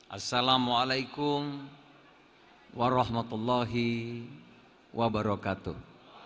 assalamu alaikum warahmatullahi wabarakatuh